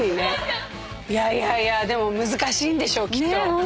いやいやいやでも難しいんでしょきっと。